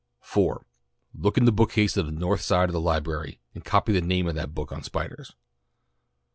4 Look in the book case on the north side of the library, and copy the name of that book on Spiders.